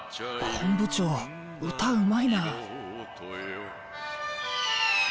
本部長歌うまいな。